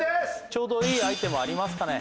ちょうどいいアイテムありますかね？